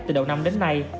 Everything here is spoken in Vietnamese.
từ đầu năm đến nay